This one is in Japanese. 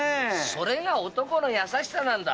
それが“男の優しさ”なんだ。